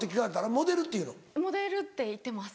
モデルって言ってます。